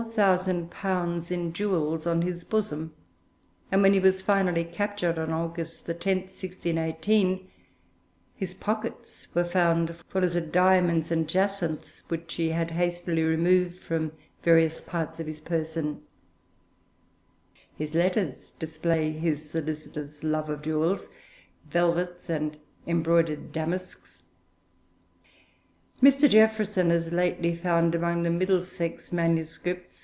_ in jewels on his bosom, and when he was finally captured on August 10, 1618, his pockets were found full of the diamonds and jacinths which he had hastily removed from various parts of his person. His letters display his solicitous love of jewels, velvets, and embroidered damasks. Mr. Jeaffreson has lately found among the Middlesex MSS.